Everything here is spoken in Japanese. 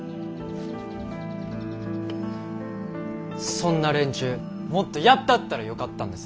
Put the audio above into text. そんな連中もっとやったったらよかったんです。